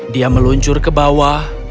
dia meluncur ke bawah